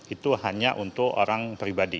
itu hanya untuk orang pribadi